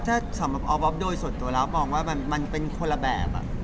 ถ้าสำหรับออฟโดยส่วนตัวแล้วมองว่ามันเป็นคนละแบบ